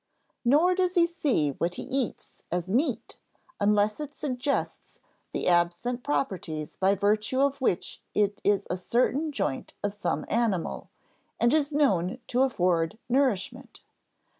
Nor does he see what he eats as meat unless it suggests the absent properties by virtue of which it is a certain joint of some animal, and is known to afford nourishment.